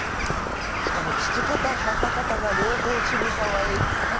しかも父方母方が両方渋沢栄一さんと。